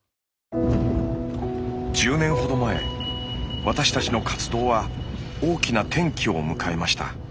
１０年ほど前私たちの活動は大きな転機を迎えました。